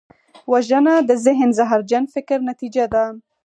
وژنه د ذهن زهرجن فکر نتیجه ده